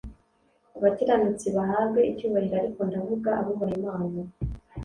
abakiranutsi bahabwe icyubahiro ariko ndavuga abubaha imana